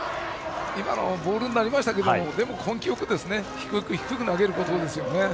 今のボールになりましたけど根気よく低く低く投げることです。